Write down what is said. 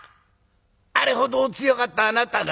あれほどお強かったあなたが？